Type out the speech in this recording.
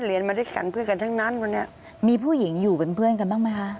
เรียนมาด้วยกันเพื่อนกันทั้งนั้นมีผู้หญิงอยู่เพื่อนกันบ้างไหมคะ